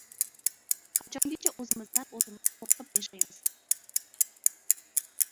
Qachongacha o‘zimizdan-o‘zimiz qo‘rqib yashaymiz?